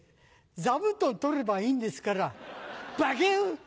座布団取ればいいんですからバキュン！